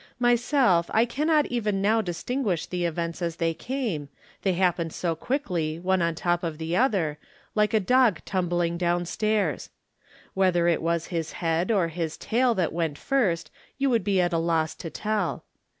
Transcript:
Myself, I cannot even now distinguish the events as they came, they happened so quickly, one on top of the other, like a dog tumbling down stairs. Whether it was his head or his tail that went first you would be at a loss to tell.